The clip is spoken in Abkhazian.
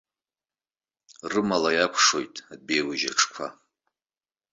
Рымала иакәшоит адәеиужь аҽқәа.